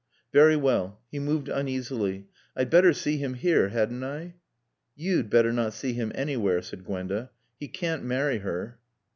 "Very well." He moved uneasily. "I'd better see him here, hadn't I?" "You'd better not see him anywhere," said Gwenda. "He can't marry her."